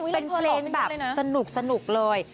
เป็นเพลงแบบสนุกเลย